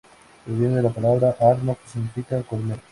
Proviene de la palabra "Arno", que significa colmena.